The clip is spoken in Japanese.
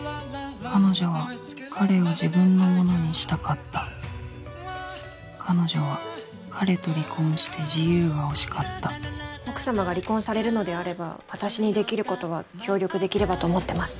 彼女は彼を自分のモノにしたかった彼女は彼と離婚して自由が欲しかった奥様が離婚されるのであれば私にできることは協力できればと思ってます。